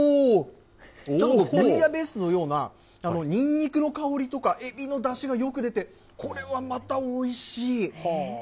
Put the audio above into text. ちょっとブイヤベースのような、にんにくの香りとか、エビのだしがよく出て、これはまたおいしい。